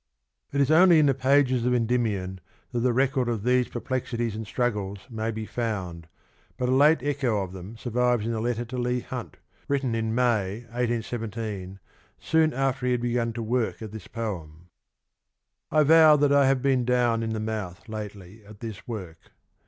It is only in the pages of Endymion that the record of these perplexities and struggles may be found, but a late echo of them survives in a letter to Leigh Hunt, written in May, 1817, soon after he had begun to work at this poem :" I vow that I have been down in the mouth lately at this work.